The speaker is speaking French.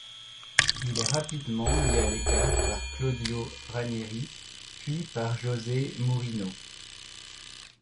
Il est rapidement mis à l'écart par Claudio Ranieri puis par José Mourinho.